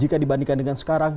jika dibandingkan dengan sekarang